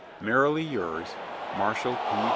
Merrily yours, MARSHALL P.